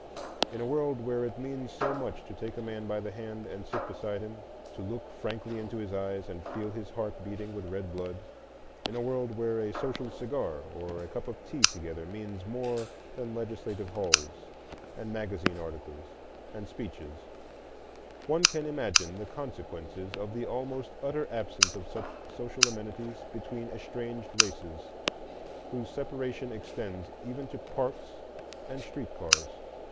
In a world where it means so much to take a man by the hand and sit beside him, to look frankly into his eyes and feel his heart beating with red blood; in a world where a social cigar or a cup of tea together means more than legislative halls and magazine articles and speeches,—one can imagine the consequences of the almost utter absence of such social amenities between estranged races, whose separation extends even to parks and streetcars.